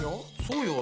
そうよ